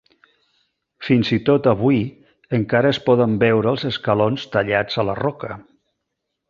Fins i tot avui, encara es poden veure els escalons tallats a la roca.